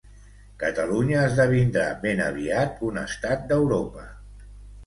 Catalunya esdevindrà ben aviat un estat d'Europa